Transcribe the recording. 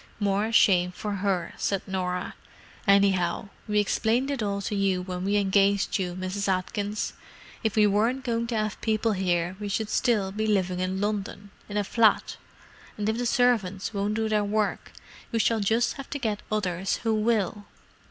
"More shame for her," said Norah. "Anyhow, we explained it all to you when we engaged you, Mrs. Atkins. If we weren't going to have people here we should still be living in London, in a flat. And if the servants won't do their work, we shall just have to get others who will."